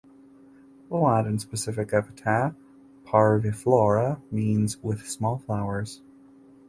The Latin specific epithet "parviflora" means "with small flowers".